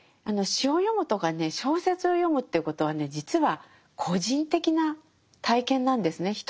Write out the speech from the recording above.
あの詩を読むとかね小説を読むということはね実は個人的な体験なんですね。